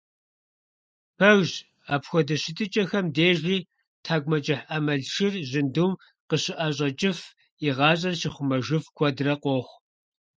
Пэжщ, апхуэдэ щытыкIэхэм дежи тхьэкIумэкIыхь Iэмалшыр жьындум къыщыIэщIэкIыф, и гъащIэр щихъумэжыф куэдрэ къохъу.